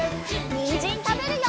にんじんたべるよ！